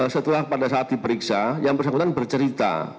setelah pada saat diperiksa yang bersangkutan bercerita